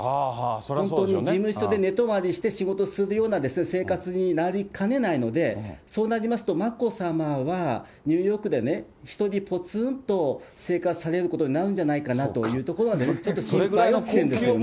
本当に事務所で寝泊まりして仕事するような生活になりかねないので、そうなりますと、眞子さまは、ニューヨークでね、１人ぽつんと生活されることになるんじゃないかなというところが、ちょっと心配はしているんです。